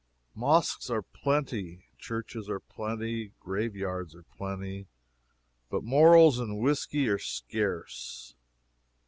Mosques are plenty, churches are plenty, graveyards are plenty, but morals and whiskey are scarce.